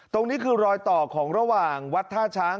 ตรงนี้คือรอยต่อของระหว่างวัดท่าช้าง